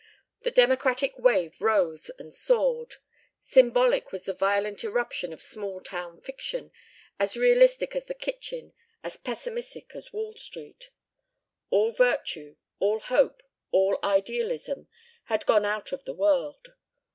The Democratic wave rose and roared. Symbolic was this violent eruption of small town fiction, as realistic as the kitchen, as pessimistic as Wall Street. All virtue, all hope, all idealism, had gone out of the world.